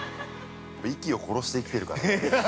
息を殺して生きてるからね。